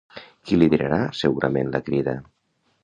Qui liderarà segurament la Crida?